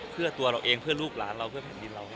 เพื่อตัวเราเองเพื่อลูกหลานเราเพื่อแผ่นดินเรา